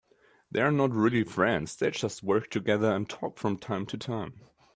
They are not really friends, they just work together and talk from time to time.